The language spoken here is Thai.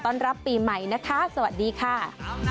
รับปีใหม่นะคะสวัสดีค่ะ